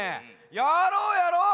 やろうやろう！